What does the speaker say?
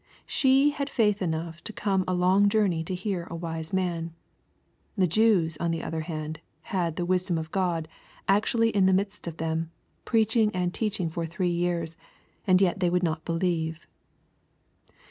She had faith enough to come a long journey to hear a wise man. The Jews, on the other hand, had " the wis dom of God" actually in the midst of them, preaching and teaching for three years, and yet they would not believe.